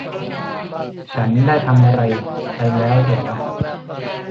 ฉันได้ทำอะไรไปแล้วหรอ